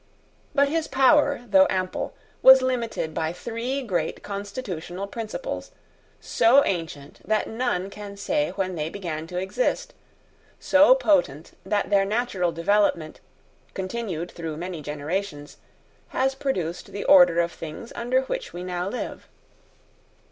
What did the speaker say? But his power, though ample, was limited by three great constitutional principles, so ancient that none can say when they began to exist, so potent that their natural development, continued through many generations, has produced the order of things under which we now live.